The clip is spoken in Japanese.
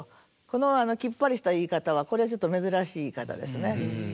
このきっぱりした言い方はこれはちょっと珍しい言い方ですね。